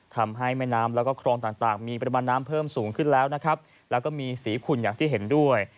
ทำให้แม่น้ำแล้วก็คลองต่างมีปริมาณน้ำเพิ่มสูงขึ้นแล้วนะครับแล้วก็มีสีขุ่นอย่างที่เห็นด้วย